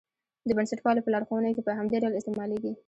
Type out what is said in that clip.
د بنسټپالو په لارښوونو کې په همدې ډول استعمالېږي.